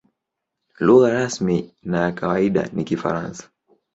Lugha rasmi na ya kawaida ni Kifaransa.